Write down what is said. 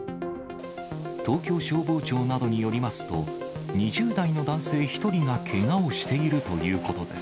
東京消防庁などによりますと、２０代の男性１人がけがをしているということです。